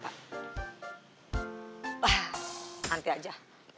wah nanti aja